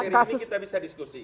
hari ini kita bisa diskusi